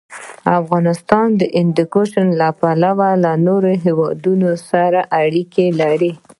افغانستان د هندوکش له پلوه له نورو هېوادونو سره اړیکې لري.